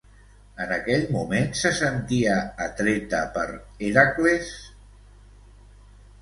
En aquell moment, se sentia atreta per Hèracles?